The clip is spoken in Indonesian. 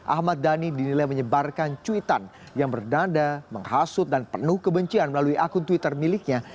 ahmad dhani dinilai menyebarkan cuitan yang berdanda menghasut dan penuh kebencian melalui akun twitter miliknya